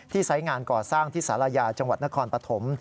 ไซส์งานก่อสร้างที่สารายาจังหวัดนครปฐม